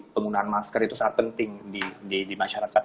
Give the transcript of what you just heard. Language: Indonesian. penggunaan masker itu sangat penting di masyarakat